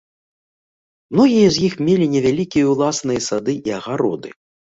Многія з іх мелі невялікія ўласныя сады і агароды.